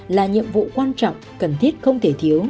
là nhiệm vụ quan trọng cần thiết không thể thiếu